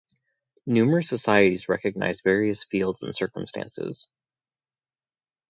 Numerous societies recognize various fields and circumstances.